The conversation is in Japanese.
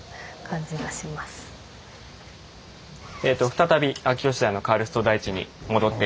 再び秋吉台のカルスト台地に戻って。